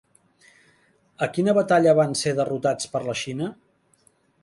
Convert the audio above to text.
A quina batalla van ser derrotats per la Xina?